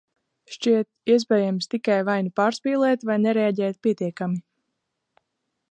Šķiet, iespējams tikai vai nu pārspīlēt, vai nereaģēt pietiekami.